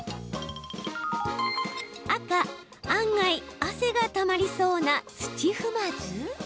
赤・案外、汗がたまりそうな土踏まず？